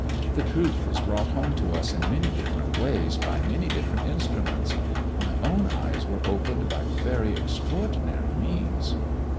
The truth is brought home to us in many different ways, by many different instruments. My own eyes were opened by very extraordinary means."